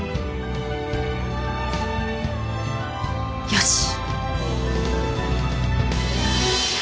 よし！